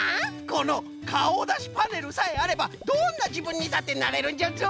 このかおだしパネルさえあればどんなじぶんにだってなれるんじゃぞ。